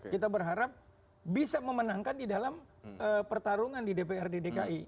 kita berharap bisa memenangkan di dalam pertarungan di dprd dki